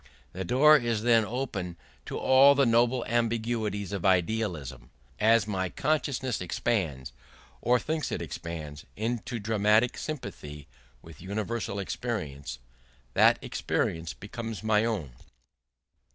The door is then open to all the noble ambiguities of idealism. As my consciousness expands, or thinks it expands, into dramatic sympathy with universal experience, that experience becomes my own.